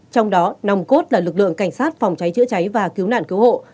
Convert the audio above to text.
trong đó nòng cốt là lực lượng cảnh sát phòng cháy chữa cháy và cứu nạn cứu hộ